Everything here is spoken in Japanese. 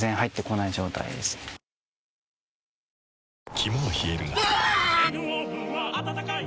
肝は冷えるがうわ！